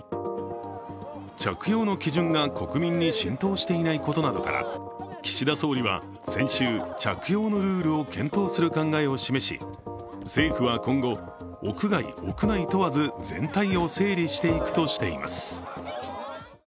着用の基準が国民に浸透していないことなどから岸田総理は先週、着用のルールを検討する考えを示し、政府は今後、屋外・屋内問わず全体を整理していくとしています。